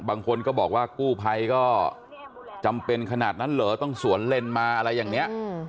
บางคนก็บอกว่ากู้ภัยก็จำเป็นขนาดนั้นเหรอต้องสวนเล่นมาอะไรอย่างนี้